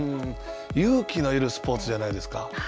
勇気のいるスポーツじゃないですか。